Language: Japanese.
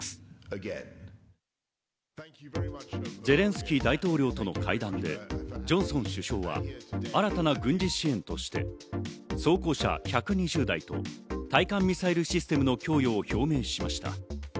ゼレンスキー大統領との会談でジョンソン首相は新たな軍事支援として、装甲車１２０台と、対艦ミサイルシステムの供与を表明しました。